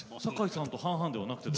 堺さんと半々ではなくて？